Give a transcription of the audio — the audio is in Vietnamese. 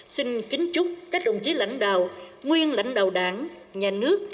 xin kính chúc các đồng chí lãnh đạo nguyên lãnh đạo đảng nhà nước